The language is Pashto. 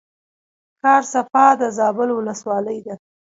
ښار صفا د زابل ولسوالۍ ده